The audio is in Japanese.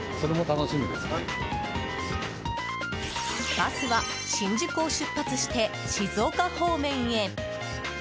バスは新宿を出発して静岡方面へ。